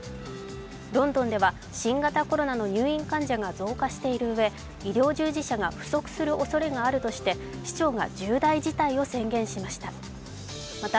ロンドンでは新型コロナの入院患者が増加しているうえ医療従事者が不足するおそれがあるとして市長が重大事態を宣言しました。